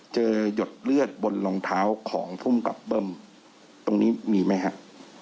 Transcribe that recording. เจอหยดเลือดบนรองเท้าของพุ่มกลับเบิร์มตรงนี้มีไหมครับ